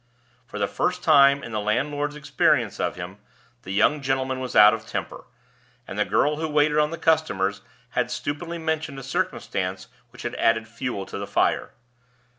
For the first time in the landlord's experience of him, the young gentleman was out of temper; and the girl who waited on the customers had stupidly mentioned a circumstance which had added fuel to the fire.